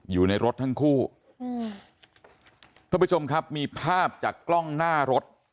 อยู่ในรถทั้งคู่อืมท่านผู้ชมครับมีภาพจากกล้องหน้ารถ